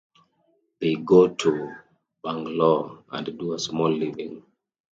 They go to Banglore and do a small living.